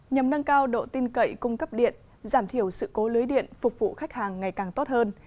nhằm nâng cao độ tin cậy cung cấp điện giảm thiểu sự cố lưới điện phục vụ khách hàng ngày càng tốt hơn